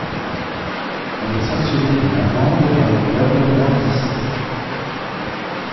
Il est sanctionné d'une amende par le club nordiste.